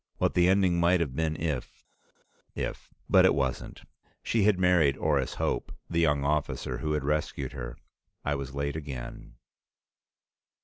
What the ending might have been if if But it wasn't; she had married Orris Hope, the young officer who had rescued her. I was late again.